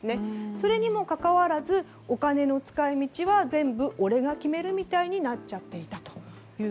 それにもかかわらずお金の使い道は全部俺が決めるみたいになっちゃっていたと。